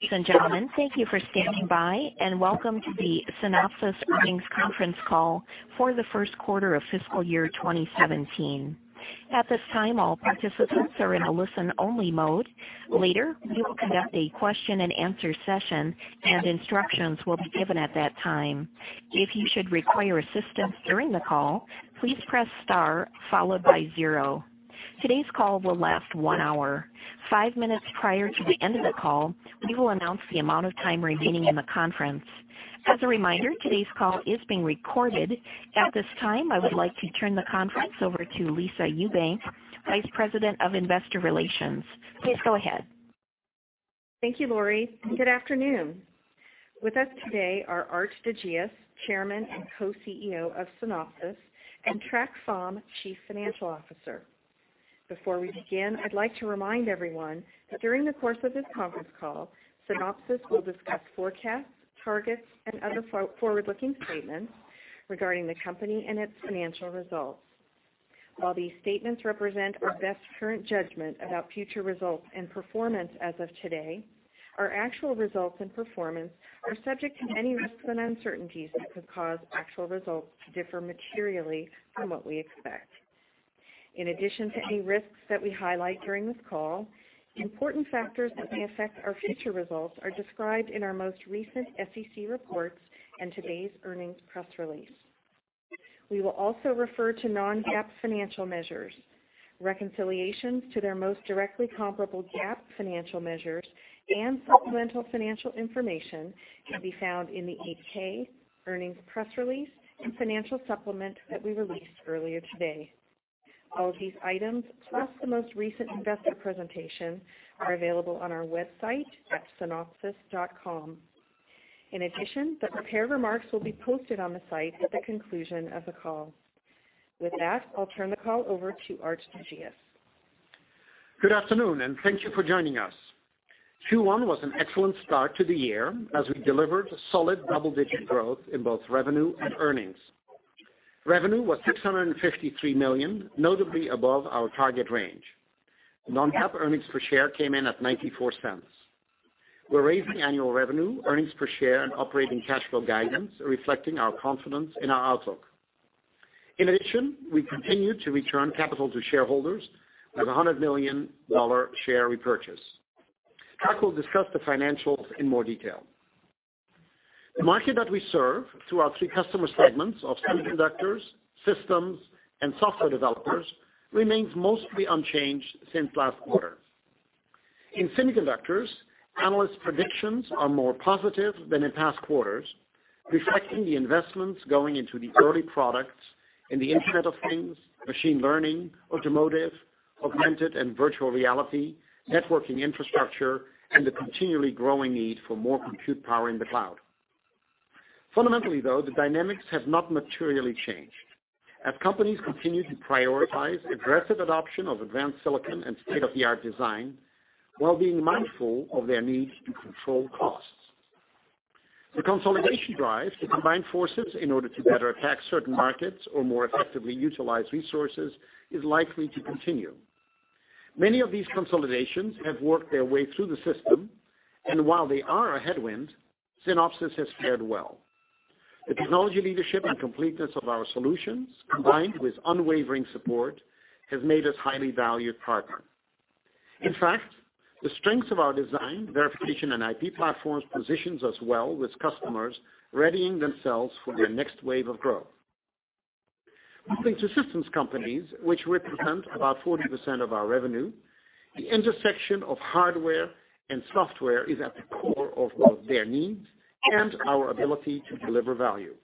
Ladies and gentlemen, thank you for standing by, and welcome to the Synopsys earnings conference call for the first quarter of fiscal year 2017. At this time, all participants are in a listen-only mode. Later, we will conduct a question and answer session, and instructions will be given at that time. If you should require assistance during the call, please press star followed by zero. Today's call will last one hour. Five minutes prior to the end of the call, we will announce the amount of time remaining in the conference. As a reminder, today's call is being recorded. At this time, I would like to turn the conference over to Lisa Ewbank, Vice President of Investor Relations. Please go ahead. Thank you, Lori. Good afternoon. With us today are Aart de Geus, Chairman and Co-CEO of Synopsys, and Trac Pham, Chief Financial Officer. Before we begin, I'd like to remind everyone that during the course of this conference call, Synopsys will discuss forecasts, targets, and other forward-looking statements regarding the company and its financial results. While these statements represent our best current judgment about future results and performance as of today, our actual results and performance are subject to many risks and uncertainties that could cause actual results to differ materially from what we expect. In addition to any risks that we highlight during this call, important factors that may affect our future results are described in our most recent SEC reports and today's earnings press release. We will also refer to non-GAAP financial measures. Reconciliations to their most directly comparable GAAP financial measures and supplemental financial information can be found in the 8-K earnings press release and financial supplement that we released earlier today. All of these items, plus the most recent investor presentation, are available on our website at synopsys.com. In addition, the prepared remarks will be posted on the site at the conclusion of the call. With that, I'll turn the call over to Aart de Geus. Good afternoon, and thank you for joining us. Q1 was an excellent start to the year as we delivered solid double-digit growth in both revenue and earnings. Revenue was $653 million, notably above our target range. Non-GAAP earnings per share came in at $0.94. We're raising annual revenue, earnings per share, and operating cash flow guidance, reflecting our confidence in our outlook. In addition, we continue to return capital to shareholders with $100 million share repurchase. Trac will discuss the financials in more detail. The market that we serve through our three customer segments of semiconductors, systems, and software developers remains mostly unchanged since last quarter. In semiconductors, analysts' predictions are more positive than in past quarters, reflecting the investments going into the early products in the Internet of Things, machine learning, automotive, augmented and virtual reality, networking infrastructure, and the continually growing need for more compute power in the cloud. Fundamentally, though, the dynamics have not materially changed as companies continue to prioritize aggressive adoption of advanced silicon and state-of-the-art design while being mindful of their need to control costs. The consolidation drive to combine forces in order to better attack certain markets or more effectively utilize resources is likely to continue. Many of these consolidations have worked their way through the system, and while they are a headwind, Synopsys has fared well. The technology leadership and completeness of our solutions, combined with unwavering support, have made us a highly valued partner. In fact, the strengths of our design, verification, and IP platforms positions us well with customers readying themselves for their next wave of growth. Moving to systems companies, which represent about 40% of our revenue, the intersection of hardware and software is at the core of both their needs and our ability to deliver value.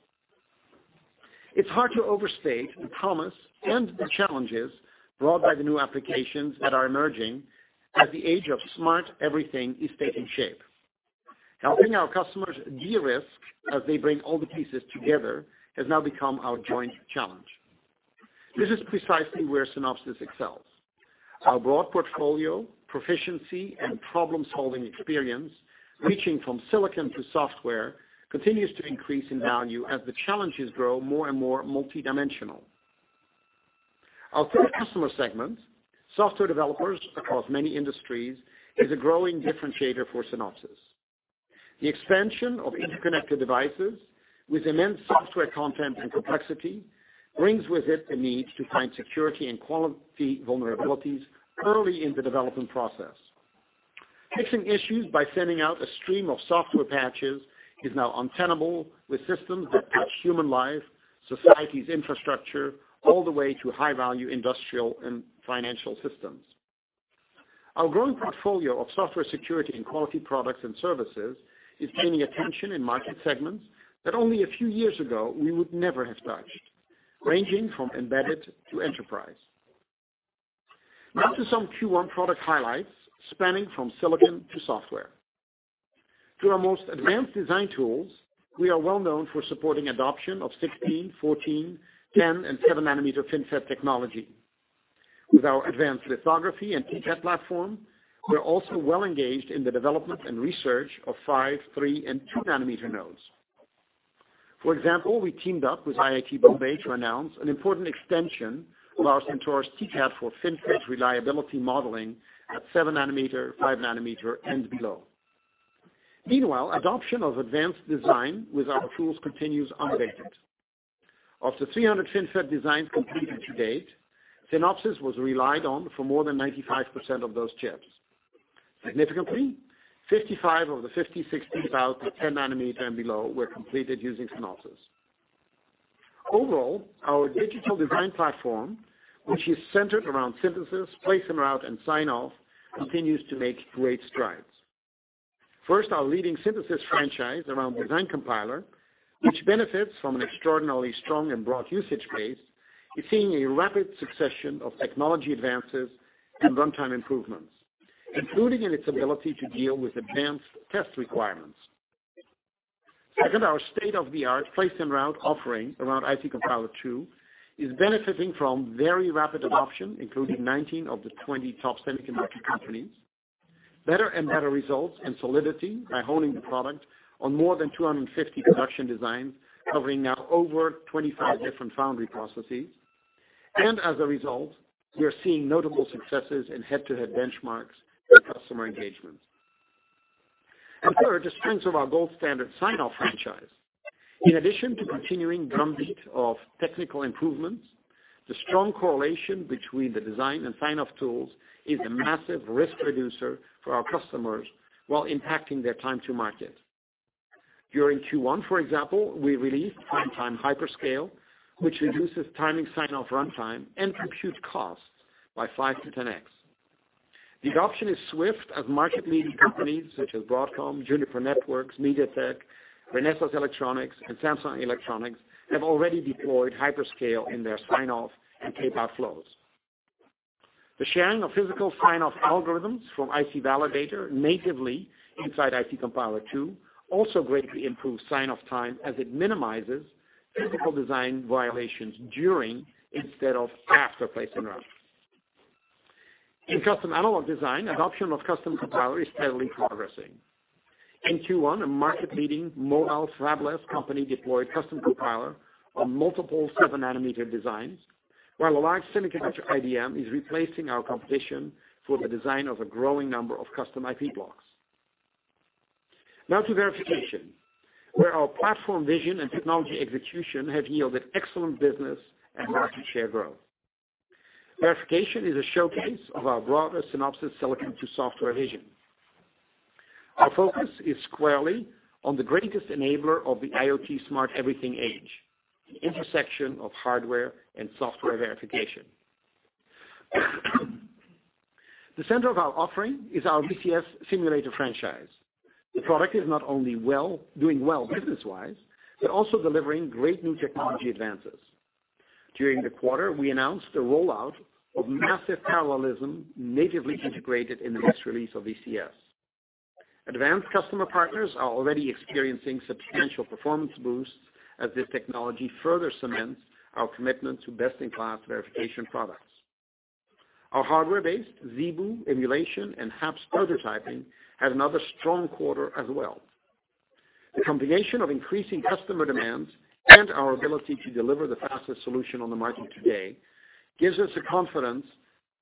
It's hard to overstate the promise and the challenges brought by the new applications that are emerging as the age of smart everything is taking shape. Helping our customers de-risk as they bring all the pieces together has now become our joint challenge. This is precisely where Synopsys excels. Our broad portfolio, proficiency, and problem-solving experience, reaching from silicon to software, continues to increase in value as the challenges grow more and more multi-dimensional. Our third customer segment, software developers across many industries, is a growing differentiator for Synopsys. The expansion of interconnected devices with immense software content and complexity brings with it the need to find security and quality vulnerabilities early in the development process. Fixing issues by sending out a stream of software patches is now untenable with systems that touch human life, society's infrastructure, all the way to high-value industrial and financial systems. Our growing portfolio of software security and quality products and services is gaining attention in market segments that only a few years ago we would never have touched, ranging from embedded to enterprise. To some Q1 product highlights spanning from silicon to software. Through our most advanced design tools, we are well known for supporting adoption of 16, 14, 10, and 7-nanometer FinFET technology. With our advanced lithography and TCAD platform, we are also well engaged in the development and research of 5, 3, and 2-nanometer nodes. For example, we teamed up with IIT Bombay to announce an important extension of our Sentaurus TCAD for FinFET reliability modeling at 7-nanometer, 5-nanometer, and below. Meanwhile, adoption of advanced design with our tools continues unabated. Of the 300 FinFET designs completed to date, Synopsys was relied on for more than 95% of those chips. Significantly, 55 of the 56 designs at 10-nanometer and below were completed using Synopsys. Overall, our digital design platform, which is centered around synthesis, place and route, and sign-off, continues to make great strides. First, our leading synthesis franchise around Design Compiler, which benefits from an extraordinarily strong and broad usage base, is seeing a rapid succession of technology advances and runtime improvements, including in its ability to deal with advanced test requirements. Second, our state-of-the-art place and route offering around IC Compiler II is benefiting from very rapid adoption, including 19 of the 20 top semiconductor companies. Better and better results and solidity by honing the product on more than 250 production designs, covering now over 25 different foundry processes. As a result, we are seeing notable successes in head-to-head benchmarks and customer engagements. Third, the strength of our gold standard sign-off franchise. In addition to continuing drumbeat of technical improvements, the strong correlation between the design and sign-off tools is a massive risk reducer for our customers while impacting their time to market. During Q1, for example, we released Runtime HyperScale, which reduces timing sign-off runtime and compute costs by five to 10X. The adoption is swift as market-leading companies such as Broadcom, Juniper Networks, MediaTek, Renesas Electronics, and Samsung Electronics have already deployed HyperScale in their sign-off and tapeout flows. The sharing of physical sign-off algorithms from IC Validator natively inside IC Compiler II also greatly improves sign-off time as it minimizes physical design violations during instead of after place and route. In custom analog design, adoption of Custom Compiler is steadily progressing. In Q1, a market-leading mobile fabless company deployed Custom Compiler on multiple seven-nanometer designs, while a large semiconductor IDM is replacing our competition for the design of a growing number of custom IP blocks. Now to verification, where our platform vision and technology execution have yielded excellent business and market share growth. Verification is a showcase of our broader Synopsys silicon to software vision. Our focus is squarely on the greatest enabler of the IoT Smart Everything Age, the intersection of hardware and software verification. The center of our offering is our VCS simulator franchise. The product is not only doing well business-wise, but also delivering great new technology advances. During the quarter, we announced the rollout of massive parallelism natively integrated in the next release of VCS. Advanced customer partners are already experiencing substantial performance boosts as this technology further cements our commitment to best-in-class verification products. Our hardware-based ZeBu emulation and HAPS prototyping had another strong quarter as well. The combination of increasing customer demands and our ability to deliver the fastest solution on the market today gives us the confidence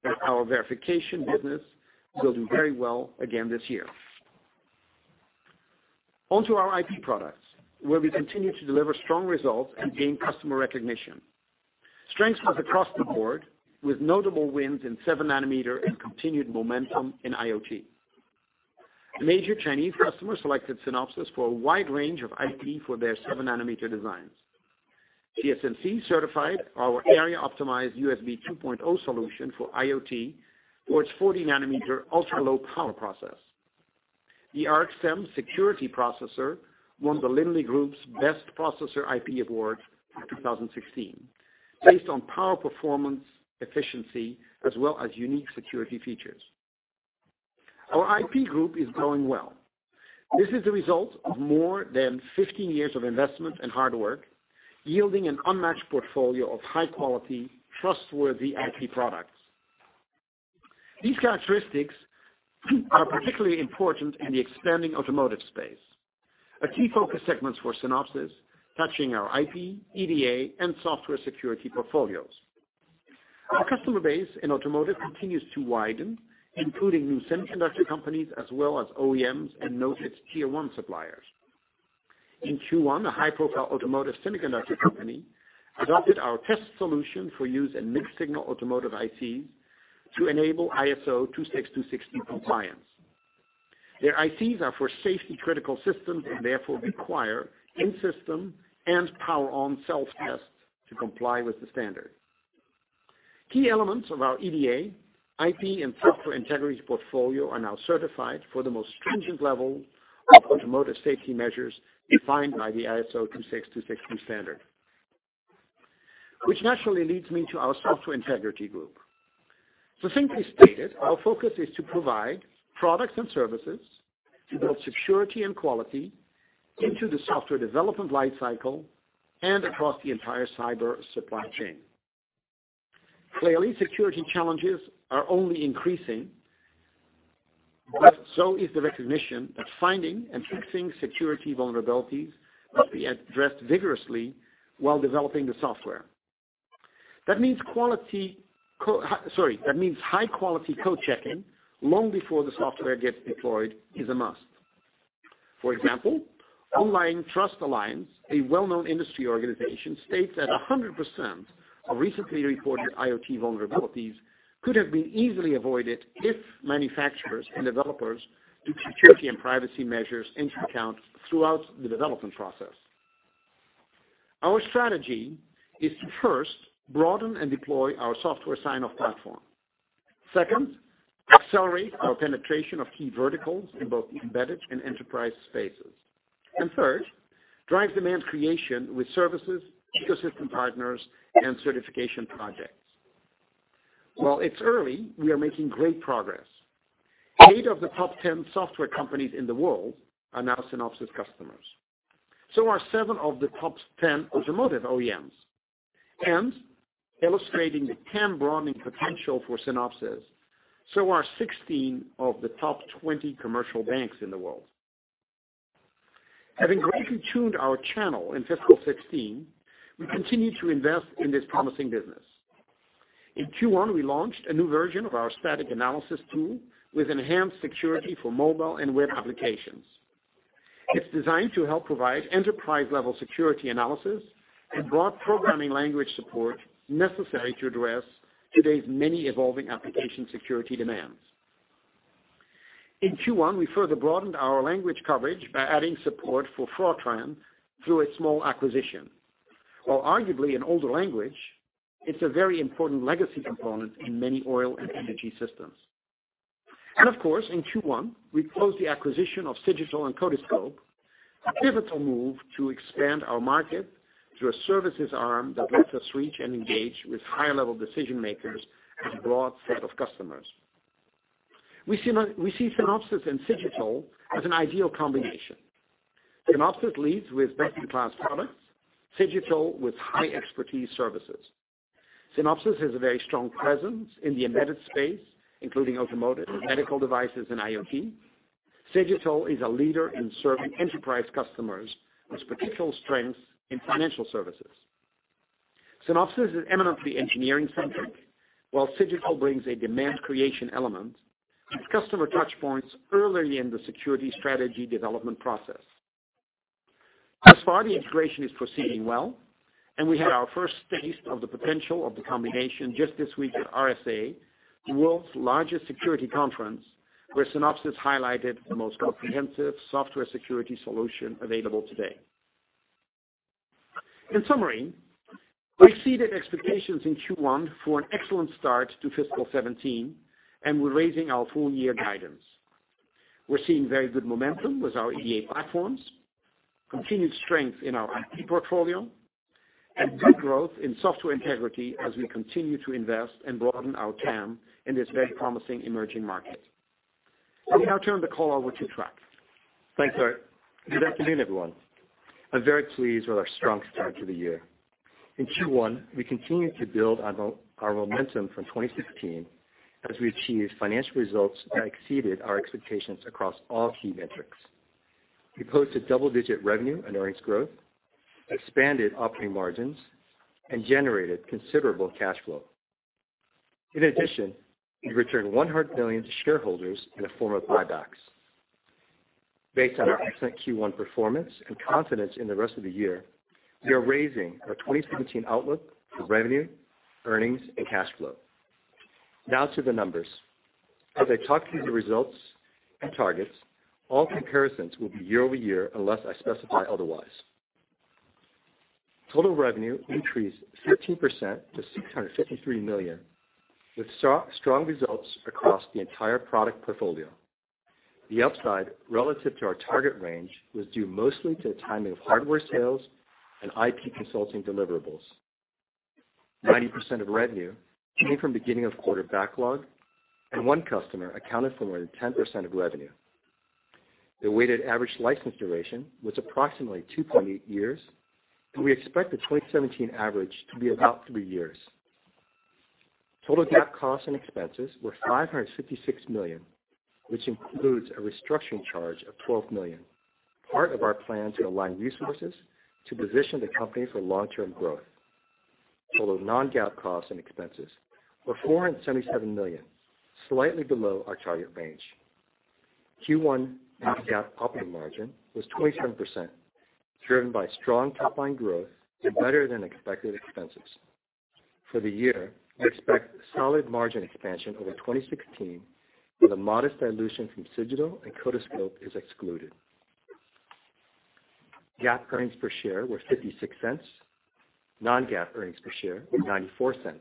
that our verification business will do very well again this year. On to our IP products, where we continue to deliver strong results and gain customer recognition. Strength was across the board, with notable wins in seven nanometer and continued momentum in IoT. A major Chinese customer selected Synopsys for a wide range of IP for their seven-nanometer designs. TSMC certified our area-optimized USB 2.0 solution for IoT for its 40 nanometer ultra-low power process. The ARC SEM security processor won The Linley Group's Best Processor IP Award for 2016, based on power performance efficiency as well as unique security features. Our IP group is growing well. This is the result of more than 15 years of investment and hard work, yielding an unmatched portfolio of high-quality, trustworthy IP products. These characteristics are particularly important in the expanding automotive space, a key focus segment for Synopsys, touching our IP, EDA, and software security portfolios. Our customer base in automotive continues to widen, including new semiconductor companies, as well as OEMs and noted tier 1 suppliers. In Q1, a high-profile automotive semiconductor company adopted our test solution for use in mixed signal automotive ICs to enable ISO 26262 compliance. Their ICs are for safety-critical systems and therefore require in-system and power-on self-tests to comply with the standard. Key elements of our EDA, IP, and Software Integrity portfolio are now certified for the most stringent level of automotive safety measures defined by the ISO 26262 standard. Naturally leads me to our Software Integrity Group. Succinctly stated, our focus is to provide products and services to build security and quality into the software development life cycle and across the entire cyber supply chain. Clearly, security challenges are only increasing. So is the recognition that finding and fixing security vulnerabilities must be addressed vigorously while developing the software. That means high-quality code checking long before the software gets deployed is a must. For example, Online Trust Alliance, a well-known industry organization, states that 100% of recently reported IoT vulnerabilities could have been easily avoided if manufacturers and developers took security and privacy measures into account throughout the development process. Our strategy is to first broaden and deploy our Software sign-off platform. Second, accelerate our penetration of key verticals in both embedded and enterprise spaces. Third, drive demand creation with services, ecosystem partners, and certification projects. While it's early, we are making great progress. 8 of the top 10 software companies in the world are now Synopsys customers. So are 7 of the top 10 automotive OEMs. Illustrating the TAM broadening potential for Synopsys, so are 16 of the top 20 commercial banks in the world. Having greatly tuned our channel in fiscal 2016, we continue to invest in this promising business. In Q1, we launched a new version of our static analysis tool with enhanced security for mobile and web applications. It's designed to help provide enterprise-level security analysis and broad programming language support necessary to address today's many evolving application security demands. In Q1, we further broadened our language coverage by adding support for Fortran through a small acquisition. While arguably an older language, it's a very important legacy component in many oil and energy systems. Of course, in Q1, we closed the acquisition of Cigital and Codiscope, a pivotal move to expand our market through a services arm that lets us reach and engage with higher-level decision-makers and a broad set of customers. We see Synopsys and Cigital as an ideal combination. Synopsys leads with best-in-class products, Cigital with high expertise services. Synopsys has a very strong presence in the embedded space, including automotive and medical devices, and IoT. Cigital is a leader in serving enterprise customers with particular strengths in financial services. Synopsys is eminently engineering-centric, while Cigital brings a demand creation element with customer touchpoints early in the security strategy development process. Thus far, the integration is proceeding well, and we had our first taste of the potential of the combination just this week at RSA, the world's largest security conference, where Synopsys highlighted the most comprehensive software security solution available today. In summary, we exceeded expectations in Q1 for an excellent start to fiscal 2017, and we're raising our full-year guidance. We're seeing very good momentum with our EDA platforms, continued strength in our IP portfolio, and good growth in Software Integrity as we continue to invest and broaden our TAM in this very promising emerging market. I'll now turn the call over to Trac Pham. Thanks, Aart. Good afternoon, everyone. I'm very pleased with our strong start to the year. In Q1, we continued to build on our momentum from 2016 as we achieved financial results that exceeded our expectations across all key metrics. We posted double-digit revenue and earnings growth, expanded operating margins, and generated considerable cash flow. In addition, we returned $100 million to shareholders in the form of buybacks. Based on our excellent Q1 performance and confidence in the rest of the year, we are raising our 2017 outlook for revenue, earnings, and cash flow. Now to the numbers. As I talk through the results and targets, all comparisons will be year-over-year unless I specify otherwise. Total revenue increased 13% to $653 million, with strong results across the entire product portfolio. The upside relative to our target range was due mostly to the timing of hardware sales and IP consulting deliverables. 90% of revenue came from beginning of quarter backlog, and one customer accounted for more than 10% of revenue. The weighted average license duration was approximately 2.8 years, and we expect the 2017 average to be about three years. Total GAAP costs and expenses were $556 million, which includes a restructuring charge of $12 million, part of our plan to align resources to position the company for long-term growth. Total non-GAAP costs and expenses were $477 million, slightly below our target range. Q1 non-GAAP operating margin was 27%, driven by strong top-line growth and better-than-expected expenses. For the year, we expect solid margin expansion over 2016, with a modest dilution from Cigital and Codiscope is excluded. GAAP earnings per share were $0.56, non-GAAP earnings per share were $0.94,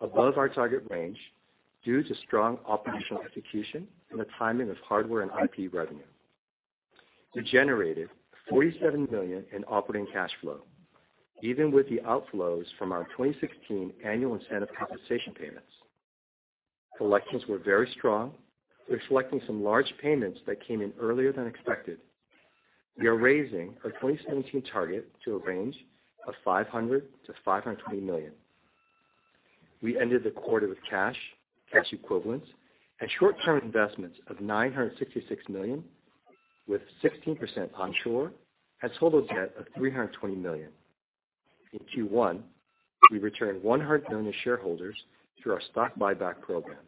above our target range due to strong operational execution and the timing of hardware and IP revenue. We generated $47 million in operating cash flow, even with the outflows from our 2016 annual incentive compensation payments. Collections were very strong. We're seeing some large payments that came in earlier than expected. We are raising our 2017 target to a range of $500 million-$520 million. We ended the quarter with cash equivalents, and short-term investments of $966 million, with 16% onshore and total debt of $320 million. In Q1, we returned $100 million to shareholders through our stock buyback program.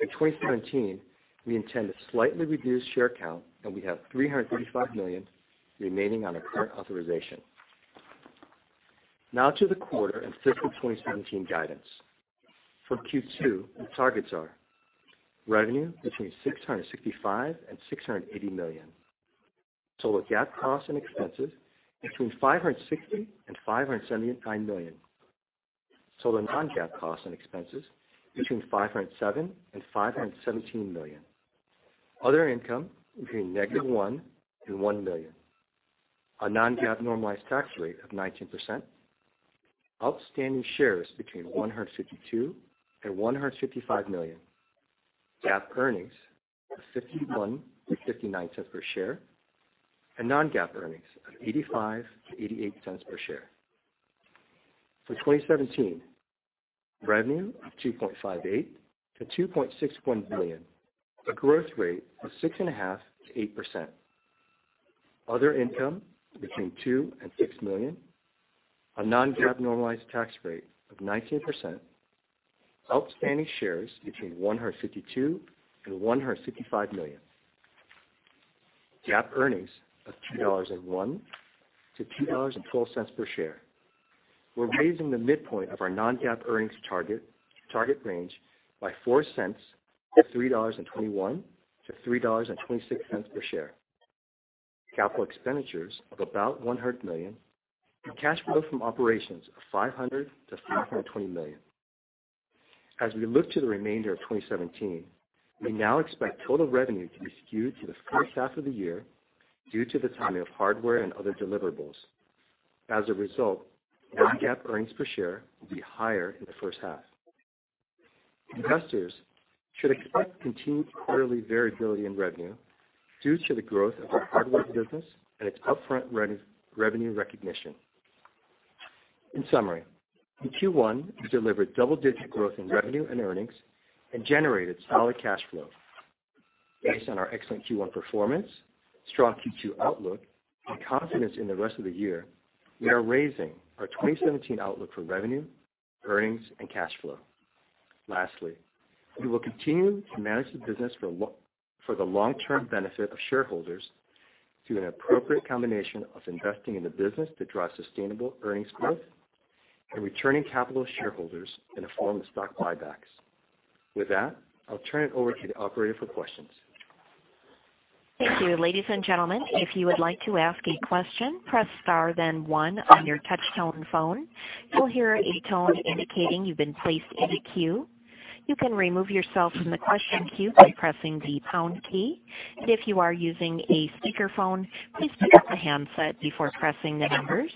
In 2017, we intend to slightly reduce share count, and we have $335 million remaining on our current authorization. Now to the quarter and fiscal 2017 guidance. For Q2, the targets are revenue between $665 million and $680 million, total GAAP cost and expenses between $560 million and $579 million, total non-GAAP costs and expenses between $507 million and $517 million, other income between negative $1 million and $1 million, a non-GAAP normalized tax rate of 19%, outstanding shares between 152 million and 155 million, GAAP earnings of $0.51 to $0.59 per share, non-GAAP earnings of $0.85 to $0.88 per share. For 2017, revenue of $2.58 billion to $2.61 billion, a growth rate of 6.5%-8%, other income between $2 million and $6 million, a non-GAAP normalized tax rate of 19%, outstanding shares between 152 million and 155 million, GAAP earnings of $2.01 to $2.12 per share. We are raising the midpoint of our non-GAAP earnings target range by $0.04 to $3.21 to $3.26 per share, capital expenditures of about $100 million, cash flow from operations of $500 million to $520 million. As we look to the remainder of 2017, we now expect total revenue to be skewed to the first half of the year due to the timing of hardware and other deliverables. As a result, non-GAAP earnings per share will be higher in the first half. Investors should expect continued quarterly variability in revenue due to the growth of our hardware business and its upfront revenue recognition. In summary, in Q1, we delivered double-digit growth in revenue and earnings and generated solid cash flow. Based on our excellent Q1 performance, strong Q2 outlook, and confidence in the rest of the year, we are raising our 2017 outlook for revenue, earnings, and cash flow. Lastly, we will continue to manage the business for the long-term benefit of shareholders through an appropriate combination of investing in the business to drive sustainable earnings growth and returning capital to shareholders in the form of stock buybacks. With that, I will turn it over to the operator for questions. Thank you. Ladies and gentlemen, if you would like to ask a question, press star then one on your touch-tone phone. You will hear a tone indicating you have been placed in a queue. You can remove yourself from the question queue by pressing the pound key. If you are using a speakerphone, please pick up the handset before pressing the numbers.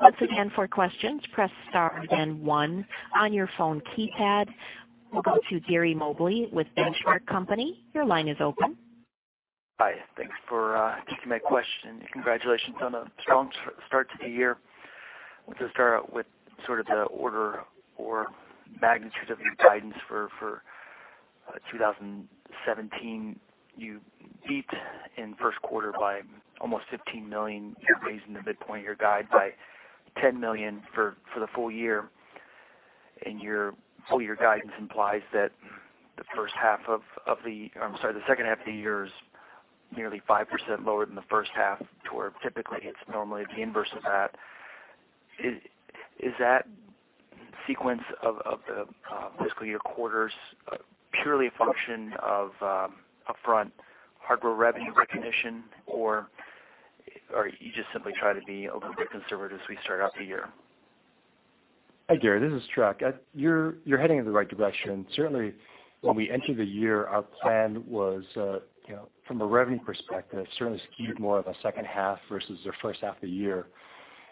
Once again, for questions, press star then one on your phone keypad. We will go to Gary Mobley with The Benchmark Company. Your line is open. Hi. Thanks for taking my question. Congratulations on a strong start to the year. I want to start out with sort of the order or magnitude of your guidance for 2017. You beat in Q1 by almost $15 million. You're raising the midpoint of your guide by $10 million for the full year. Your full-year guidance implies that the first half of the, I'm sorry, the second half of the year is nearly 5% lower than the first half to where typically it's normally the inverse of that. Is that sequence of the fiscal year quarters purely a function of upfront hardware revenue recognition, or are you just simply trying to be a little bit conservative as we start out the year? Hi, Gary. This is Trac. You're heading in the right direction. Certainly, when we entered the year, our plan was from a revenue perspective, certainly skewed more of a second half versus the first half of the year.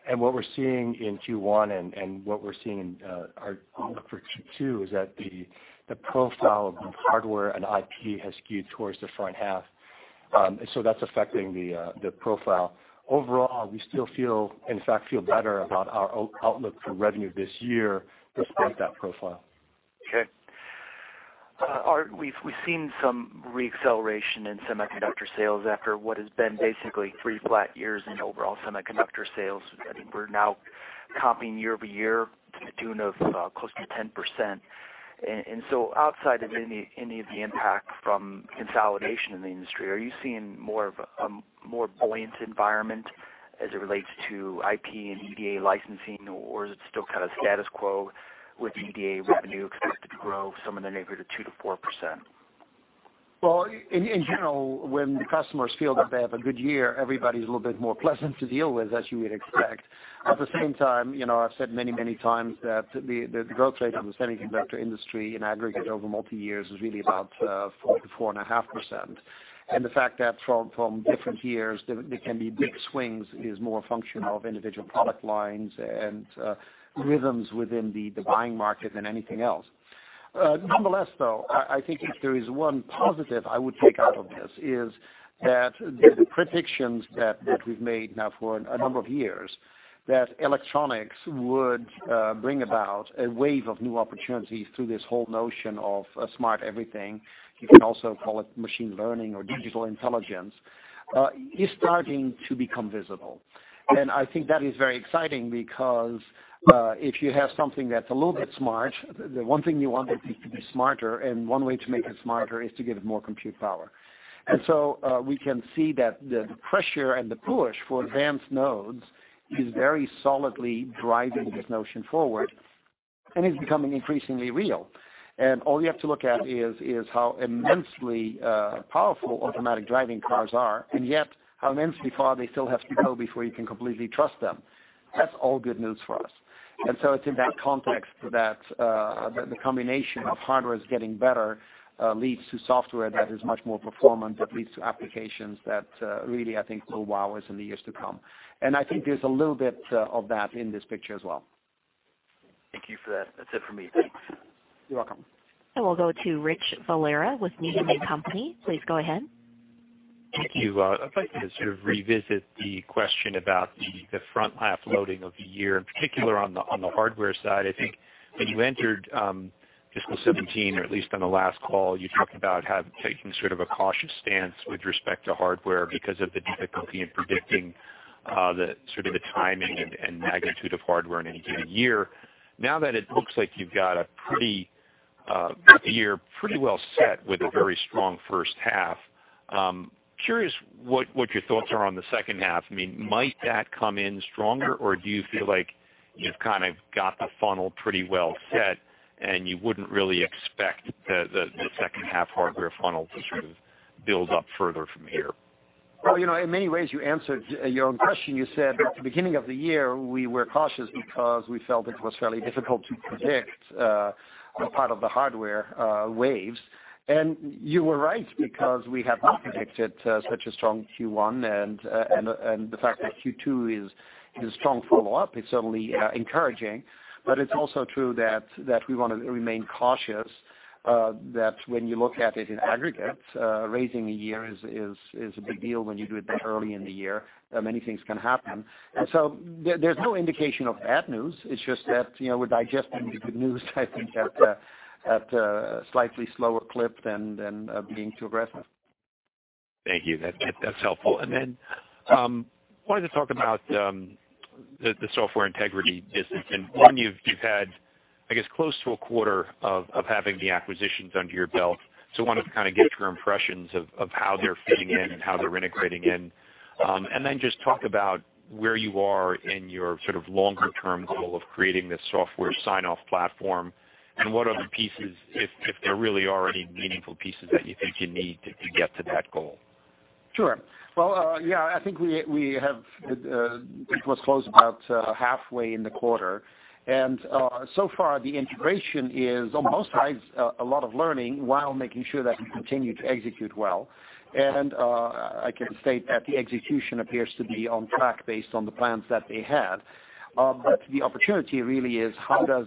What we're seeing in Q1 and what we're seeing in our outlook for Q2 is that the profile of both hardware and IP has skewed towards the front half. That's affecting the profile. Overall, we still, in fact, feel better about our outlook for revenue this year despite that profile. Okay. We've seen some re-acceleration in semiconductor sales after what has been basically three flat years in overall semiconductor sales. I think we're now comping year-over-year to the tune of close to 10%. Outside of any of the impact from consolidation in the industry, are you seeing more of a more buoyant environment as it relates to IP and EDA licensing, or is it still kind of status quo with EDA revenue expected to grow somewhere in the neighborhood of 2% to 4%? Well, in general, when the customers feel that they have a good year, everybody's a little bit more pleasant to deal with, as you would expect. At the same time, I've said many, many times that the growth rate of the semiconductor industry in aggregate over multiyear is really about 4% to 4.5%. The fact that from different years, there can be big swings is more a function of individual product lines and rhythms within the buying market than anything else. Nonetheless, though, I think if there is one positive I would take out of this is that the predictions that we've made now for a number of years, that electronics would bring about a wave of new opportunities through this whole notion of smart everything, you can also call it machine learning or digital intelligence, is starting to become visible. I think that is very exciting because if you have something that's a little bit smart, the one thing you want it is to be smarter, and one way to make it smarter is to give it more compute power. We can see that the pressure and the push for advanced nodes is very solidly driving this notion forward and is becoming increasingly real. All you have to look at is how immensely powerful automatic driving cars are, and yet how immensely far they still have to go before you can completely trust them. That's all good news for us. It's in that context that the combination of hardware is getting better, leads to software that is much more performant, that leads to applications that really, I think, will wow us in the years to come. I think there's a little bit of that in this picture as well. Thank you for that. That's it for me. Thanks. You're welcome. Richard Valera with Needham & Company. Please go ahead. Thank you. I'd like to sort of revisit the question about the front-half loading of the year, in particular on the hardware side. I think when you entered fiscal 2017, or at least on the last call, you talked about taking sort of a cautious stance with respect to hardware because of the difficulty in predicting the sort of the timing and magnitude of hardware in any given year. Now that it looks like you've got a year pretty well set with a very strong first half, curious what your thoughts are on the second half. Might that come in stronger or do you feel like you've kind of got the funnel pretty well set and you wouldn't really expect the second half hardware funnel to sort of build up further from here? Well, in many ways you answered your own question. You said at the beginning of the year we were cautious because we felt it was fairly difficult to predict a part of the hardware waves. You were right because we have not predicted such a strong Q1 and the fact that Q2 is a strong follow-up is certainly encouraging. It's also true that we want to remain cautious, that when you look at it in aggregate, raising a year is a big deal when you do it that early in the year, many things can happen. There's no indication of bad news. It's just that we're digesting the good news, I think at a slightly slower clip than being too aggressive. Thank you. That's helpful. Then, wanted to talk about the Software Integrity business. One you've had, I guess, close to a quarter of having the acquisitions under your belt, so wanted to kind of get your impressions of how they're fitting in and how they're integrating in. Then just talk about where you are in your sort of longer-term goal of creating this software sign-off platform, and what are the pieces, if there really are any meaningful pieces that you think you need to get to that goal? Sure. Well, yeah, I think it was close to about halfway in the quarter. So far the integration is on most sides a lot of learning while making sure that we continue to execute well. I can state that the execution appears to be on track based on the plans that we had. The opportunity really is how does,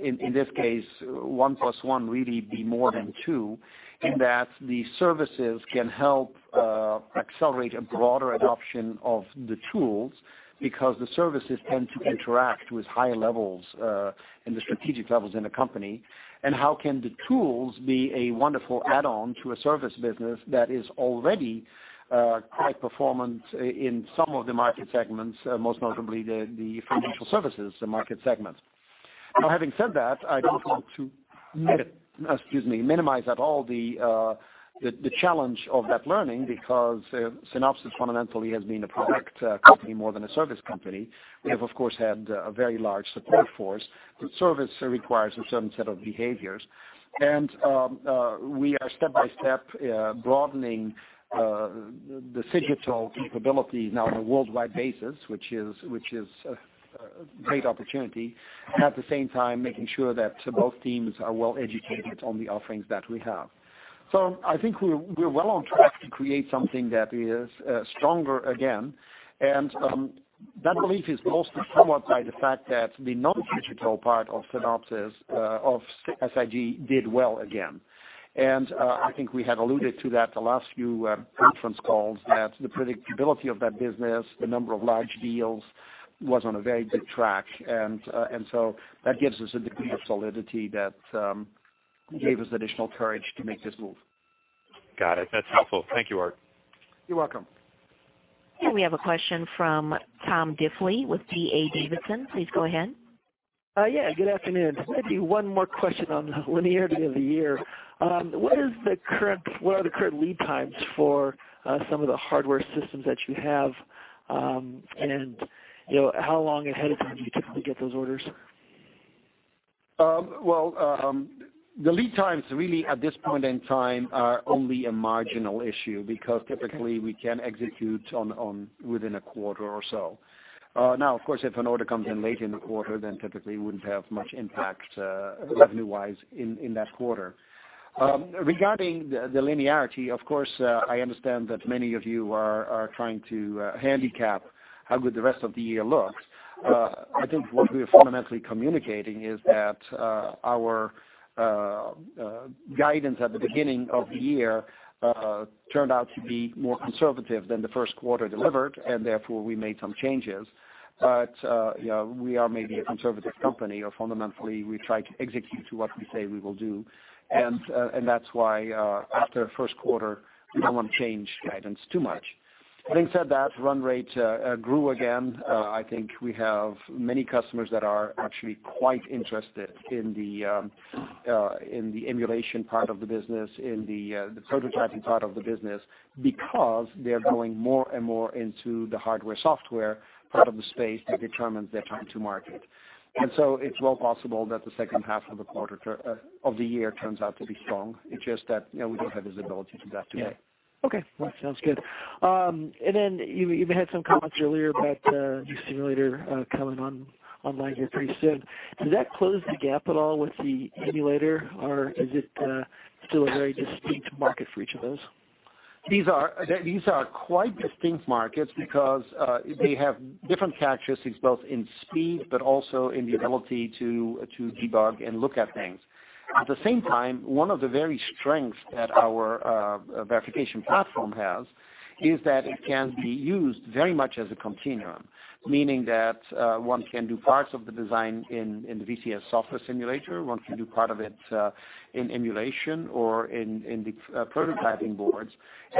in this case, one plus one really be more than two, in that the services can help accelerate a broader adoption of the tools because the services tend to interact with higher levels in the strategic levels in a company. How can the tools be a wonderful add-on to a service business that is already quite performant in some of the market segments, most notably the financial services market segment. Having said that, I don't want to minimize at all the challenge of that learning because Synopsys fundamentally has been a product company more than a service company. We have, of course, had a very large support force, service requires a certain set of behaviors. We are step-by-step broadening the Cigital capability now on a worldwide basis, which is a great opportunity. At the same time, making sure that both teams are well-educated on the offerings that we have. I think we're well on track to create something that is stronger again. That belief is boosted somewhat by the fact that the non-Cigital part of Synopsys, of SIG, did well again. I think we had alluded to that the last few conference calls, that the predictability of that business, the number of large deals, was on a very good track. That gives us a degree of solidity that gave us additional courage to make this move. Got it. That's helpful. Thank you, Aart. You're welcome. We have a question from Tom Diffley with D.A. Davidson. Please go ahead. Good afternoon. Maybe one more question on the linearity of the year. What are the current lead times for some of the hardware systems that you have? How long ahead of time do you typically get those orders? The lead times really at this point in time are only a marginal issue because typically we can execute within a quarter or so. Of course, if an order comes in late in the quarter, then typically it wouldn't have much impact revenue-wise in that quarter. Regarding the linearity, of course, I understand that many of you are trying to handicap how good the rest of the year looks. I think what we are fundamentally communicating is that our guidance at the beginning of the year turned out to be more conservative than the first quarter delivered, therefore, we made some changes. We are maybe a conservative company or fundamentally, we try to execute to what we say we will do. That's why after first quarter, we don't want to change guidance too much. Having said that, run rate grew again. I think we have many customers that are actually quite interested in the emulation part of the business, in the prototyping part of the business, because they're going more and more into the hardware-software part of the space that determines their time to market. It's well possible that the second half of the year turns out to be strong. It's just that we don't have visibility to that today. Okay. Well, sounds good. You had some comments earlier about the simulator coming online here pretty soon. Does that close the gap at all with the emulator, or is it still a very distinct market for each of those? These are quite distinct markets because they have different characteristics, both in speed, but also in the ability to debug and look at things. At the same time, one of the very strengths that our verification platform has is that it can be used very much as a continuum, meaning that one can do parts of the design in the VCS software simulator, one can do part of it in emulation or in the prototyping boards,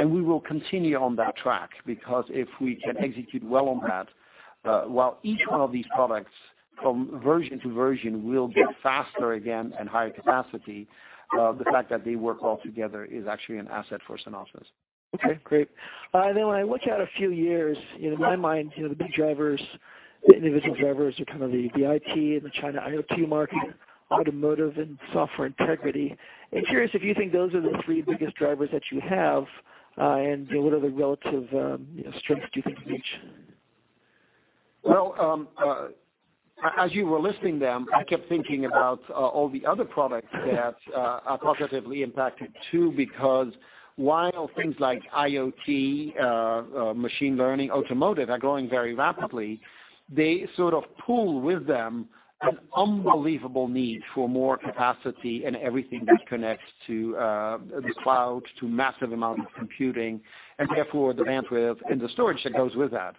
we will continue on that track because if we can execute well on that, while each one of these products from version to version will get faster again and higher capacity, the fact that they work all together is actually an asset for Synopsys. Okay, great. When I look out a few years, in my mind, the big drivers, the individual drivers are kind of the IP and the China IoT market, automotive, and software integrity. I'm curious if you think those are the three biggest drivers that you have, what are the relative strengths, do you think, of each? Well, as you were listing them, I kept thinking about all the other products that are positively impacted too, because while things like IoT, machine learning, automotive are growing very rapidly, they sort of pull with them an unbelievable need for more capacity in everything that connects to the cloud, to massive amounts of computing, and therefore the bandwidth and the storage that goes with that.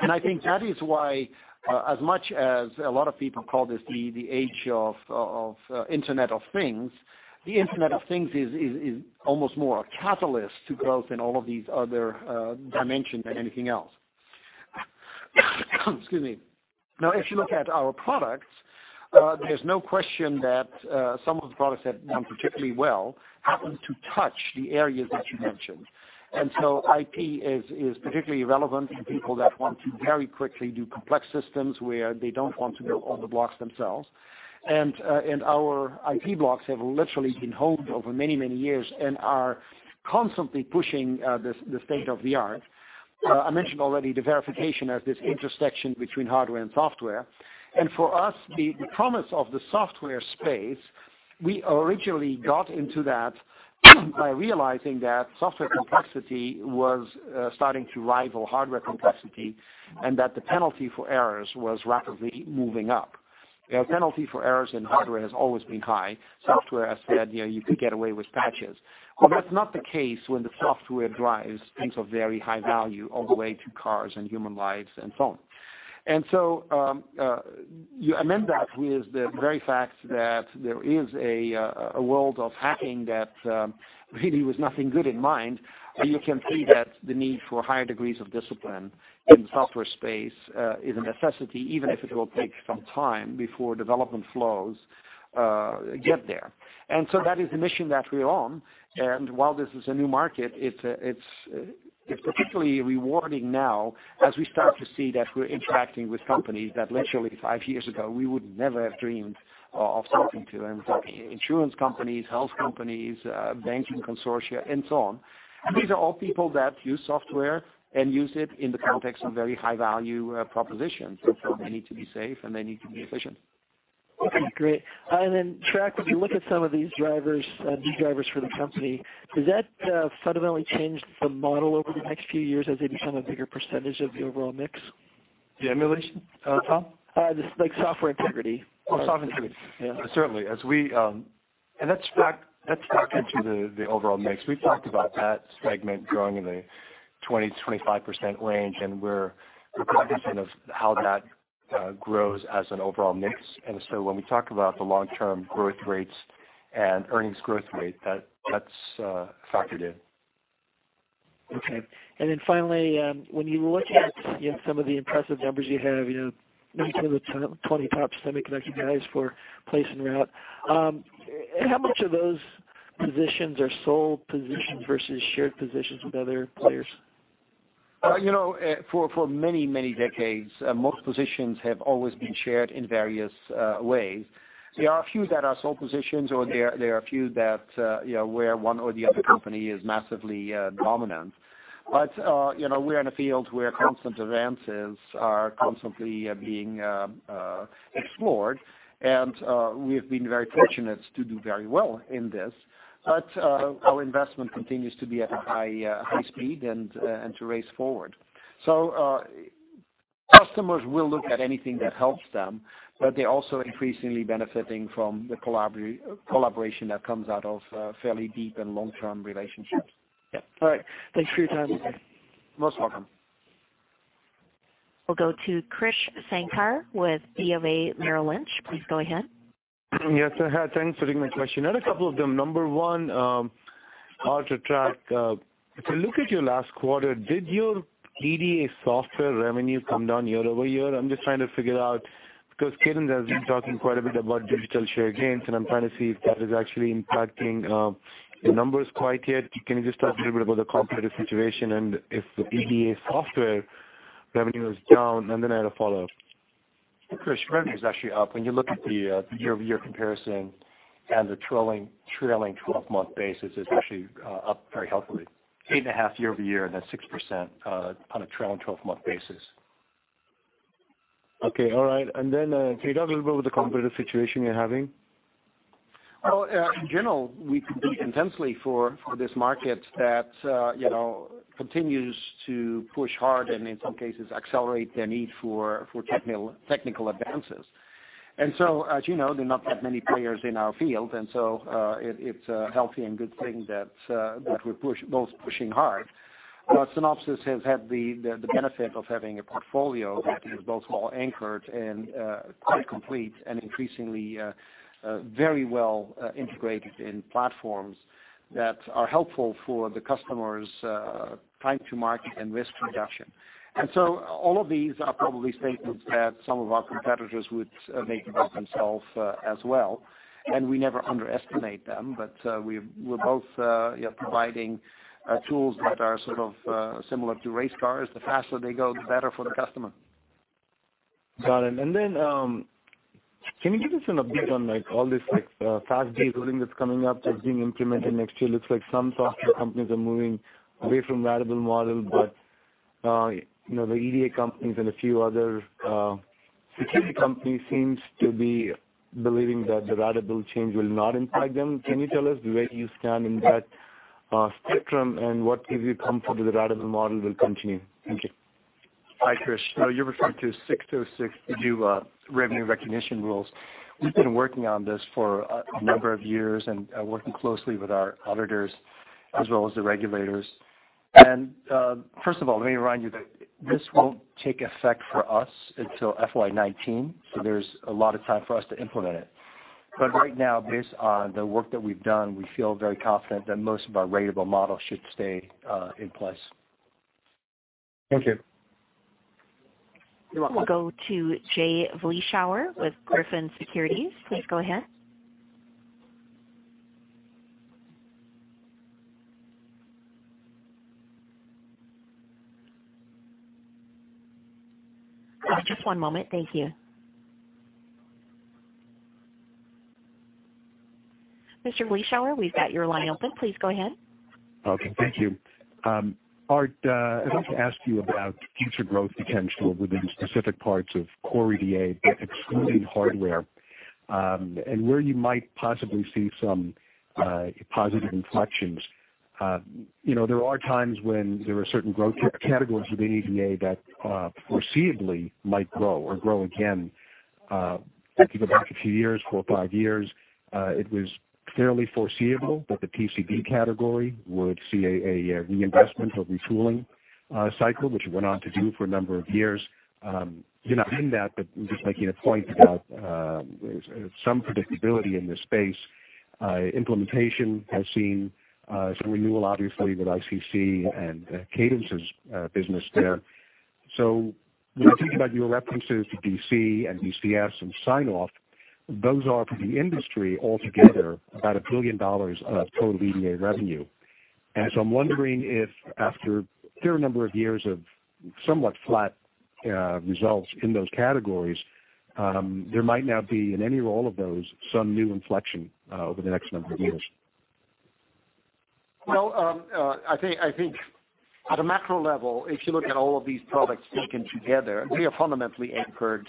I think that is why, as much as a lot of people call this the age of Internet of Things, the Internet of Things is almost more a catalyst to growth in all of these other dimensions than anything else. Excuse me. If you look at our products, there's no question that some of the products that have done particularly well happen to touch the areas that you mentioned. IP is particularly relevant to people that want to very quickly do complex systems where they don't want to build all the blocks themselves. Our IP blocks have literally been honed over many, many years and are constantly pushing the state of the art. I mentioned already the verification as this intersection between hardware and software. For us, the promise of the software space, we originally got into that by realizing that software complexity was starting to rival hardware complexity, and that the penalty for errors was rapidly moving up. Penalty for errors in hardware has always been high. Software, as said, you could get away with patches. Well, that's not the case when the software drives things of very high value all the way to cars and human lives and so on. You amend that with the very fact that there is a world of hacking that really with nothing good in mind, you can see that the need for higher degrees of discipline in the software space is a necessity, even if it will take some time before development flows get there. That is the mission that we're on. While this is a new market, it's particularly rewarding now as we start to see that we're interacting with companies that literally five years ago, we would never have dreamed of talking to. I'm talking insurance companies, health companies, banking consortia, and so on. These are all people that use software and use it in the context of very high-value propositions, so they need to be safe, and they need to be efficient. Okay, great. Then Trac, as you look at some of these key drivers for the company, does that fundamentally change the model over the next few years as they become a bigger percentage of the overall mix? The emulation, Tom? Just like Software Integrity. Software Integrity. Yeah. Certainly. That's factored into the overall mix. We've talked about that segment growing in the 20%-25% range, and we're cognizant of how that grows as an overall mix. When we talk about the long-term growth rates and earnings growth rate, that's factored in. Finally, when you look at some of the impressive numbers you have, winning some of the 20 top semiconductor guys for place and route. How much of those positions are sole positions versus shared positions with other players? For many, many decades, most positions have always been shared in various ways. There are a few that are sole positions, or there are a few where one or the other company is massively dominant. We're in a field where constant advances are constantly being explored, and we have been very fortunate to do very well in this. Our investment continues to be at a high speed and to race forward. Customers will look at anything that helps them, but they're also increasingly benefiting from the collaboration that comes out of fairly deep and long-term relationships. Yeah. All right. Thanks for your time. Most welcome. We'll go to Krish Sankar with BofA Merrill Lynch. Please go ahead. Yes, I had. Thanks for taking my question. Had a couple of them. Number one, Aart, to Trac, if you look at your last quarter, did your EDA software revenue come down year-over-year? I'm just trying to figure out, Cadence has been talking quite a bit about digital share gains, I'm trying to see if that is actually impacting the numbers quite yet. Can you just talk a little bit about the competitive situation If the EDA software revenue is down, I had a follow-up. Krish, revenue is actually up. When you look at the year-over-year comparison and the trailing 12-month basis, it's actually up very healthily. Eight and a half year-over-year, 6% on a trailing 12-month basis. Okay. All right. Can you talk a little bit about the competitive situation you're having? Well, in general, we compete intensely for this market that continues to push hard and in some cases accelerate their need for technical advances. As you know, there are not that many players in our field, it's a healthy and good thing that we're both pushing hard. Synopsys has had the benefit of having a portfolio that is both well-anchored and quite complete and increasingly very well integrated in platforms that are helpful for the customers' time to market and risk reduction. All of these are probably statements that some of our competitors would make about themselves as well, and we never underestimate them. We're both providing tools that are sort of similar to race cars. The faster they go, the better for the customer. Got it. Can you give us an update on all this FASB ruling that's coming up, that's being implemented next year? Looks like some software companies are moving away from ratable model, the EDA companies and a few other security companies seems to be believing that the ratable change will not impact them. Can you tell us where you stand in that spectrum and what gives you comfort that the ratable model will continue? Thank you. Hi, Krish. You're referring to 606 revenue recognition rules. We've been working on this for a number of years and working closely with our auditors as well as the regulators. First of all, let me remind you that this won't take effect for us until FY 2019, so there's a lot of time for us to implement it. Right now, based on the work that we've done, we feel very confident that most of our ratable model should stay in place. Thank you. You're welcome. We'll go to Jay Vleeschhouwer with Griffin Securities. Please go ahead. Just one moment. Thank you. Mr. Vleeschhouer, we've got your line open. Please go ahead. Okay, thank you. Aart, I'd like to ask you about future growth potential within specific parts of core EDA, but excluding hardware, and where you might possibly see some positive inflections. There are times when there are certain growth categories within EDA that foreseeably might grow or grow again. If you go back a few years, four or five years, it was fairly foreseeable that the PCB category would see a reinvestment or retooling cycle, which it went on to do for a number of years. Not in that, but just making a point about some predictability in this space. Implementation has seen some renewal, obviously, with ICC and Cadence's business there. When you think about your references to DC and DCS and sign-off, those are, for the industry altogether, about $1 billion of total EDA revenue. I'm wondering if after a fair number of years of somewhat flat results in those categories, there might now be, in any or all of those, some new inflection over the next number of years. I think at a macro level, if you look at all of these products taken together, we are fundamentally anchored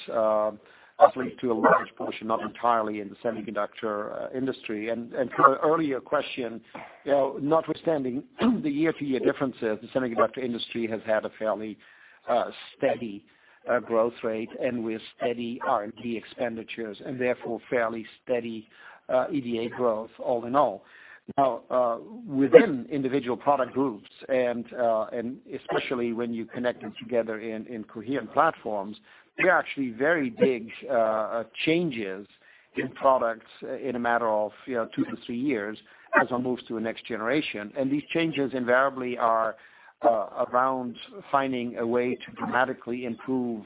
at least to a large portion, not entirely, in the semiconductor industry. To an earlier question, notwithstanding the year-to-year differences, the semiconductor industry has had a fairly steady growth rate and with steady R&D expenditures, and therefore fairly steady EDA growth all in all. Within individual product groups, especially when you connect them together in coherent platforms, there are actually very big changes in products in a matter of two to three years as one moves to the next generation. These changes invariably are around finding a way to dramatically improve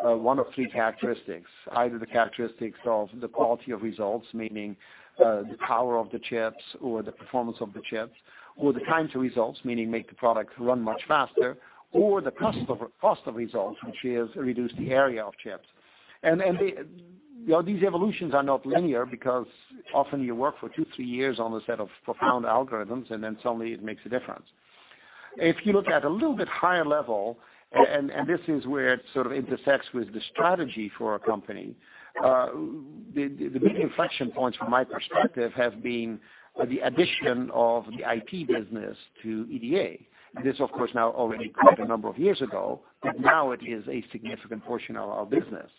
one of three characteristics, either the characteristics of the quality of results, meaning the power of the chips or the performance of the chips, or the time to results, meaning make the product run much faster, or the cost of results, which is reduce the area of chips. These evolutions are not linear because often you work for two, three years on a set of profound algorithms, and then suddenly it makes a difference. If you look at a little bit higher level, and this is where it sort of intersects with the strategy for a company, the big inflection points from my perspective have been the addition of the IT business to EDA. This, of course, now already quite a number of years ago, but now it is a significant portion of our business.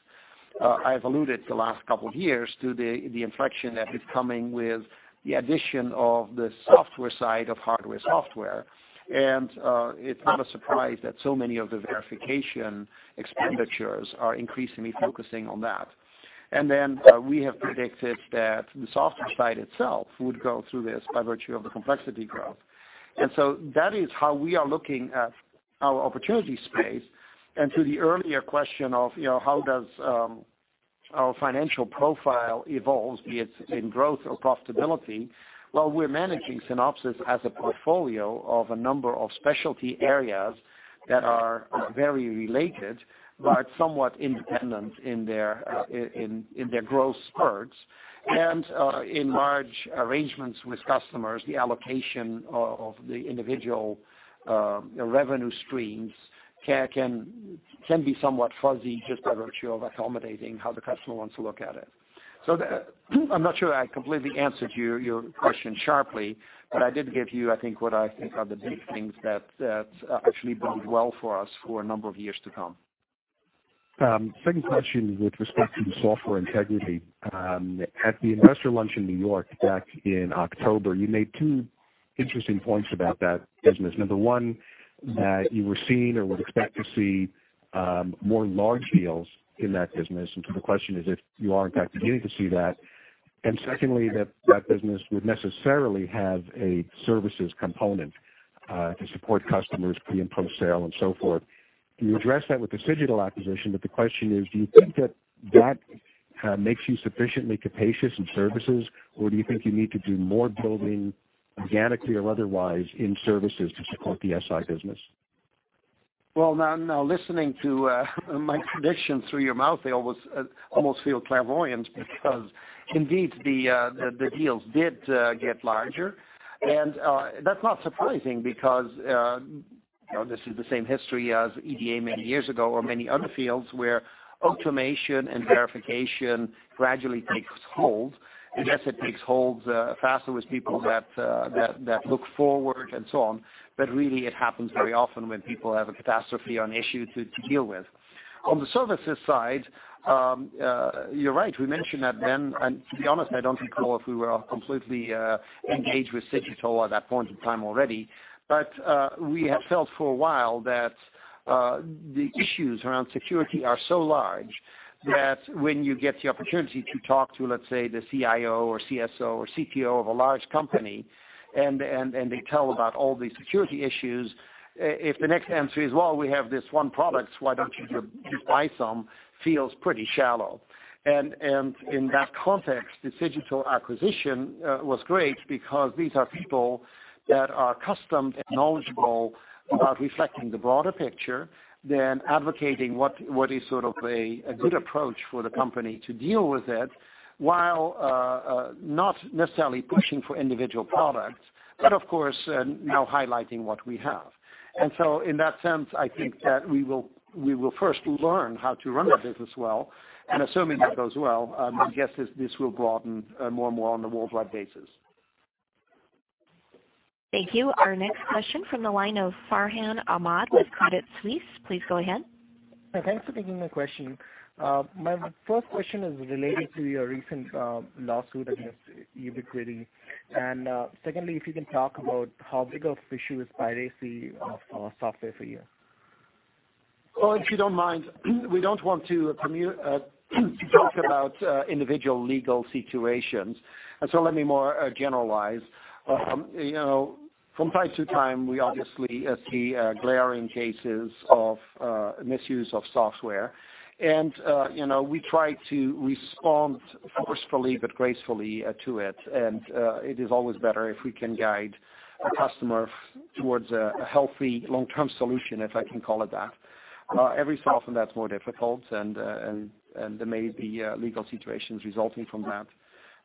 I've alluded the last couple of years to the inflection that is coming with the addition of the software side of hardware, software. It's not a surprise that so many of the verification expenditures are increasingly focusing on that. Then we have predicted that the software side itself would go through this by virtue of the complexity growth. So that is how we are looking at our opportunity space. To the earlier question of how does our financial profile evolve, be it in growth or profitability, while we're managing Synopsys as a portfolio of a number of specialty areas that are very related but somewhat independent in their growth spurts and in large arrangements with customers, the allocation of the individual revenue streams can be somewhat fuzzy just by virtue of accommodating how the customer wants to look at it. I'm not sure I completely answered your question sharply, but I did give you, I think, what I think are the big things that actually bode well for us for a number of years to come. Second question with respect to Software Integrity. At the investor lunch in New York back in October, you made two interesting points about that business. Number one, that you were seeing or would expect to see more large deals in that business. The question is if you are in fact beginning to see that, and secondly, that business would necessarily have a services component to support customers pre and post-sale and so forth. You addressed that with the Cigital acquisition, but the question is, do you think that that makes you sufficiently capacious in services, or do you think you need to do more building organically or otherwise in services to support the SI business? Well, now listening to my prediction through your mouth, they almost feel clairvoyance because indeed the deals did get larger, and that's not surprising because this is the same history as EDA many years ago or many other fields where automation and verification gradually takes hold. Yes, it takes hold faster with people that look forward and so on. Really it happens very often when people have a catastrophe on issue to deal with. On the services side, you're right, we mentioned that then, and to be honest, I don't recall if we were completely engaged with Cigital at that point in time already. We felt for a while that the issues around security are so large that when you get the opportunity to talk to, let's say, the CIO or CSO or CTO of a large company and they tell about all these security issues, if the next answer is, "Well, we have this one product, why don't you buy some?" Feels pretty shallow. In that context, the Cigital acquisition was great because these are people that are custom and knowledgeable about reflecting the broader picture, then advocating what is sort of a good approach for the company to deal with it, while not necessarily pushing for individual products, but of course now highlighting what we have. In that sense, I think that we will first learn how to run that business well, and assuming that goes well, my guess is this will broaden more and more on the worldwide basis. Thank you. Our next question from the line of Farhan Ahmad with Credit Suisse. Please go ahead. Thanks for taking my question. My first question is related to your recent lawsuit against Ubiquiti. Secondly, if you can talk about how big of an issue is piracy of software for you. Well, if you don't mind, we don't want to talk about individual legal situations, so let me more generalize. From time to time, we obviously see glaring cases of misuse of software, we try to respond forcefully but gracefully to it. It is always better if we can guide a customer towards a healthy long-term solution, if I can call it that. Every so often that's more difficult, and there may be legal situations resulting from that.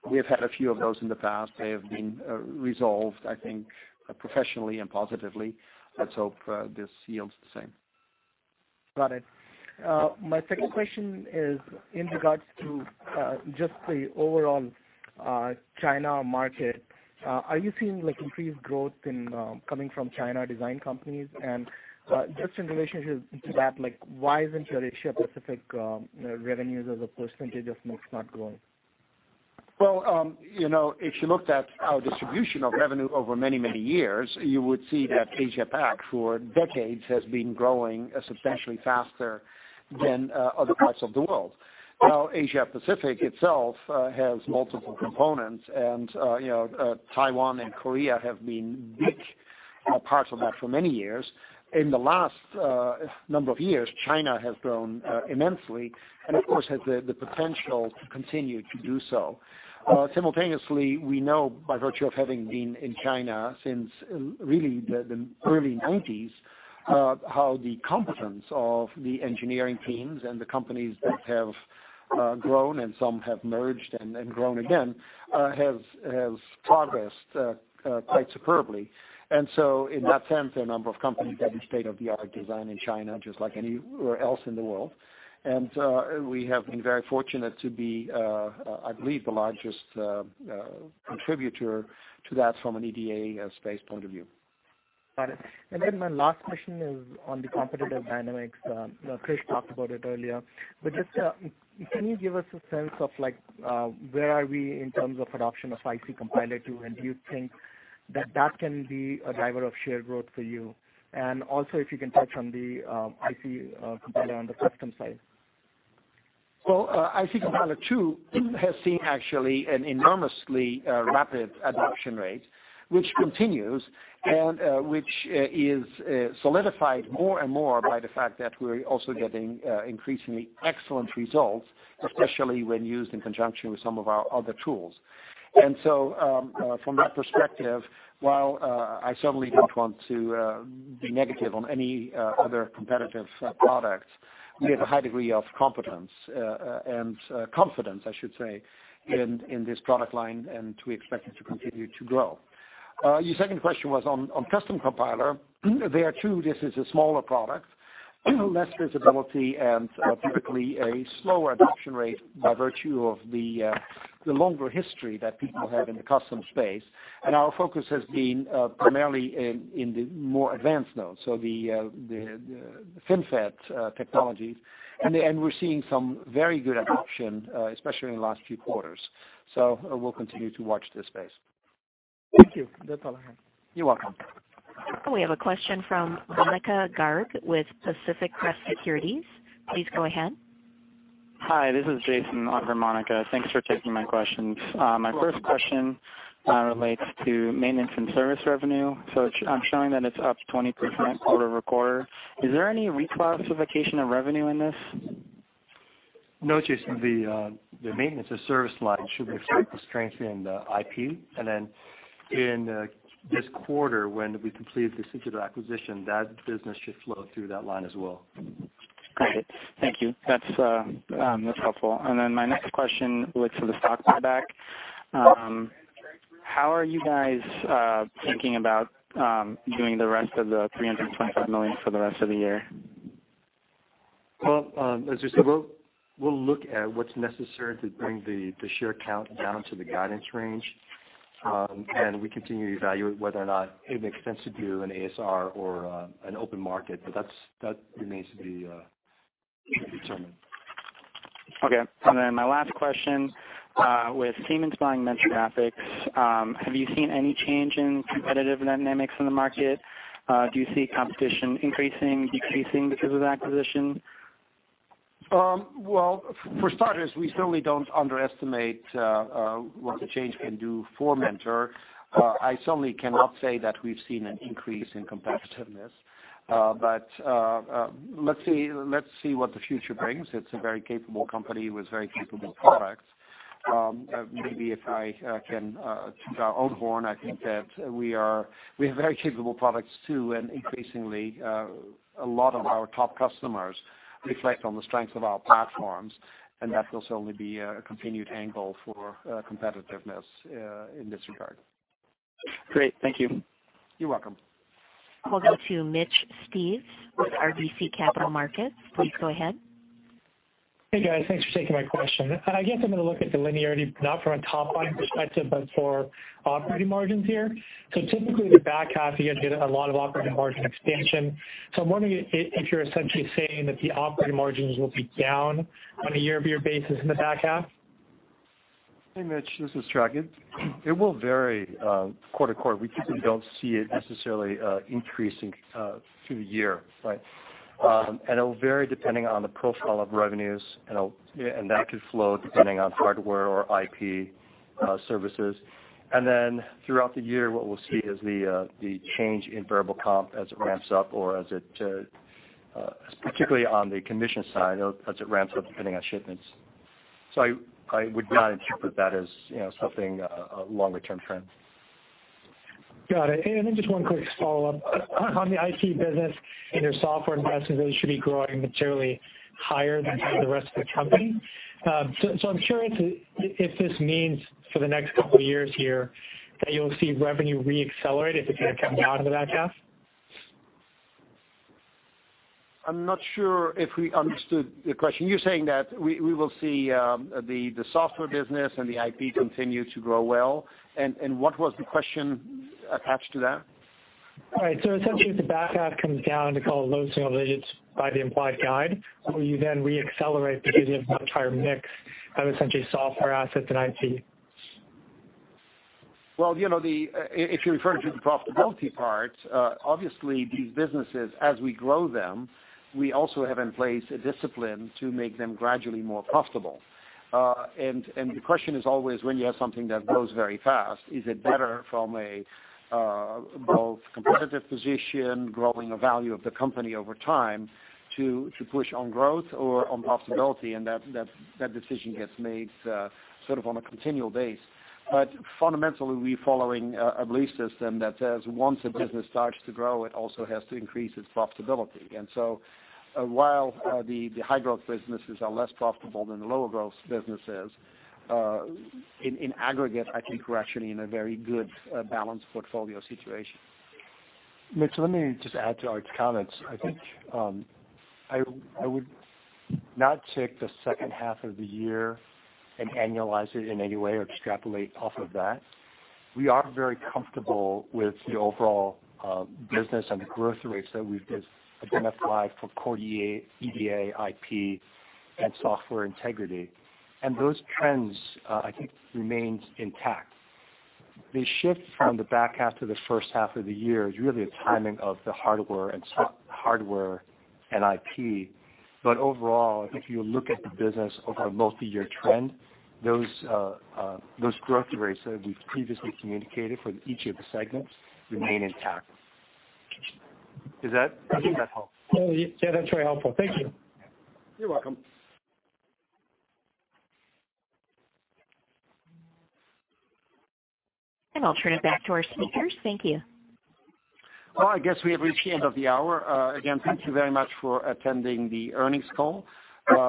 We have had a few of those in the past. They have been resolved, I think, professionally and positively. Let's hope this yields the same. Got it. My second question is in regards to just the overall China market. Are you seeing increased growth coming from China design companies? Just in relationship to that, why isn't your Asia Pacific revenues as a percentage of mix not growing? Well, if you looked at our distribution of revenue over many, many years, you would see that Asia Pac for decades has been growing substantially faster than other parts of the world. Asia Pacific itself has multiple components, and Taiwan and Korea have been big parts of that for many years. In the last number of years, China has grown immensely and of course has the potential to continue to do so. Simultaneously, we know by virtue of having been in China since really the early 1990s how the competence of the engineering teams and the companies that have grown, and some have merged and grown again, has progressed quite superbly. In that sense, there are a number of companies that do state-of-the-art design in China, just like anywhere else in the world. We have been very fortunate to be, I believe, the largest contributor to that from an EDA space point of view. Got it. My last question is on the competitive dynamics. Krish talked about it earlier, but just can you give us a sense of where are we in terms of adoption of IC Compiler tool, and do you think that that can be a driver of shared growth for you? If you can touch on the IC Compiler on the custom side. Well, IC Compiler tool has seen actually an enormously rapid adoption rate, which continues and which is solidified more and more by the fact that we're also getting increasingly excellent results, especially when used in conjunction with some of our other tools. From that perspective, while I certainly don't want to be negative on any other competitive products, we have a high degree of competence and confidence, I should say, in this product line, and we expect it to continue to grow. Your second question was on Custom Compiler. There too, this is a smaller product, less visibility, and typically a slower adoption rate by virtue of the longer history that people have in the custom space. Our focus has been primarily in the more advanced nodes, so the FinFET technologies. We're seeing some very good adoption, especially in the last few quarters. We'll continue to watch this space. Thank you. That's all I have. You're welcome. We have a question from Monika Garg with Pacific Crest Securities. Please go ahead. Hi, this is Jason on for Monika. Thanks for taking my questions. My first question relates to maintenance and service revenue. I'm showing that it's up 20% quarter-over-quarter. Is there any reclassification of revenue in this? No, Jason, the maintenance or service line should reflect the strength in the IP. In this quarter, when we complete the Cigital acquisition, that business should flow through that line as well. Got it. Thank you. That's helpful. My next question relates to the stock buyback. How are you guys thinking about doing the rest of the $325 million for the rest of the year? Well, as you said, we'll look at what's necessary to bring the share count down to the guidance range. We continue to evaluate whether or not it makes sense to do an ASR or an open market, that remains to be determined. Okay. Then my last question, with Siemens buying Mentor Graphics, have you seen any change in competitive dynamics in the market? Do you see competition increasing, decreasing because of the acquisition? Well, for starters, we certainly don't underestimate what the change can do for Mentor. I certainly cannot say that we've seen an increase in competitiveness. Let's see what the future brings. It's a very capable company with very capable products. Maybe if I can toot our own horn, I think that we have very capable products, too, and increasingly, a lot of our top customers reflect on the strength of our platforms, and that will certainly be a continued angle for competitiveness in this regard. Great. Thank you. You're welcome. We'll go to Mitch Steves with RBC Capital Markets. Please go ahead. Hey, guys. Thanks for taking my question. I guess I'm going to look at the linearity, not from a top-line perspective, but for operating margins here. Typically, the back half, you guys get a lot of operating margin expansion. I'm wondering if you're essentially saying that the operating margins will be down on a year-over-year basis in the back half. Hey, Mitch. This is Trac. It will vary quarter-to-quarter. We typically don't see it necessarily increasing through the year, right? It'll vary depending on the profile of revenues, and that could flow depending on hardware or IP services. Then throughout the year, what we'll see is the change in variable comp as it ramps up or as it, particularly on the commission side, as it ramps up depending on shipments. I would not interpret that as something, a longer-term trend. Got it. Then just one quick follow-up. On the IP business and your software investments, those should be growing materially higher than kind of the rest of the company. I'm curious if this means for the next couple of years here that you'll see revenue re-accelerate as it kind of comes out of the back half? I'm not sure if we understood the question. You're saying that we will see the software business and the IP continue to grow well? What was the question attached to that? All right. Essentially, if the back half comes down to call it low single digits by the implied guide, will you then re-accelerate because you have a higher mix of essentially software assets and IP? Well, if you're referring to the profitability part, obviously these businesses, as we grow them, we also have in place a discipline to make them gradually more profitable. The question is always, when you have something that grows very fast, is it better from both a competitive position, growing the value of the company over time, to push on growth or on profitability? That decision gets made sort of on a continual basis. Fundamentally, we're following a belief system that says once a business starts to grow, it also has to increase its profitability. While the high-growth businesses are less profitable than the lower-growth businesses, in aggregate, I think we're actually in a very good balanced portfolio situation. Mitch, let me just add to Aart's comments. I think I would not take the second half of the year and annualize it in any way or extrapolate off of that. We are very comfortable with the overall business and the growth rates that we've identified for core EDA, IP, and Software Integrity. Those trends, I think, remain intact. The shift from the back half to the first half of the year is really a timing of the hardware and IP. Overall, I think if you look at the business over a multi-year trend, those growth rates that we've previously communicated for each of the segments remain intact. I think that helps. Yeah, that's very helpful. Thank you. You're welcome. I'll turn it back to our speakers. Thank you. Well, I guess we have reached the end of the hour. Again, thank you very much for attending the earnings call.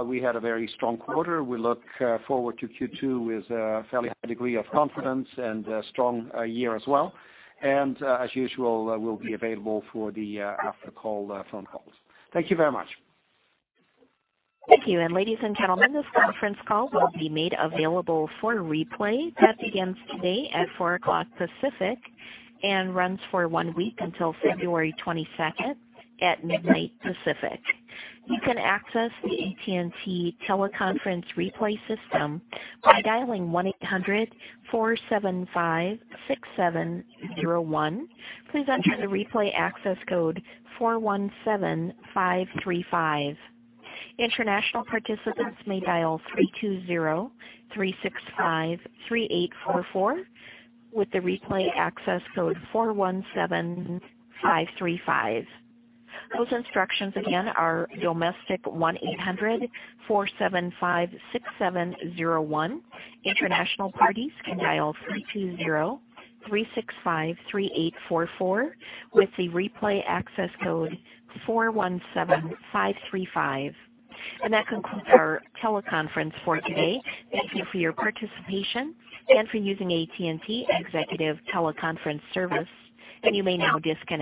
We had a very strong quarter. We look forward to Q2 with a fairly high degree of confidence and a strong year as well. As usual, we'll be available for the after-call phone calls. Thank you very much. Thank you. Ladies and gentlemen, this conference call will be made available for replay. That begins today at 4:00 P.M. Pacific and runs for one week until February 22nd at midnight Pacific. You can access the AT&T teleconference replay system by dialing 1-800-475-6701. Please enter the replay access code 417535. International participants may dial 320-365-3844 with the replay access code 417535. Those instructions again are domestic 1-800-475-6701. International parties can dial 320-365-3844 with the replay access code 417535. That concludes our teleconference for today. Thank you for your participation and for using AT&T Executive Teleconference Service, and you may now disconnect.